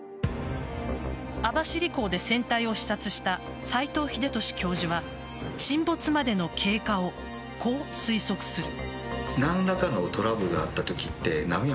網走港で船体を視察した斎藤秀俊教授は沈没までの経過をこう推測する。